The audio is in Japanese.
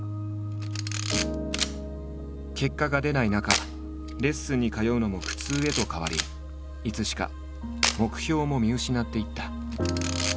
結果が出ない中レッスンに通うのも苦痛へと変わりいつしか目標も見失っていった。